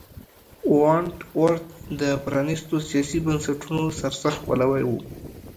ونټ ورت د پرانیستو سیاسي بنسټونو سرسخت پلوی و.